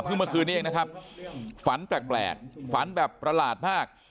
เมื่อคืนนี้เองนะครับฝันแปลกฝันแบบประหลาดมาก